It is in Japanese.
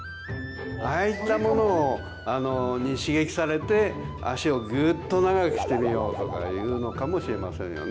ああいったものに刺激されて脚をグーッと長くしてみようとかいうのかもしれませんよね。